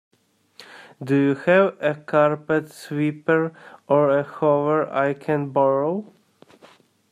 Do you have a carpet sweeper or a Hoover I can borrow?